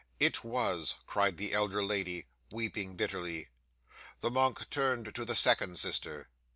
'"It was," cried the elder lady, weeping bitterly. 'The monk turned to the second sister.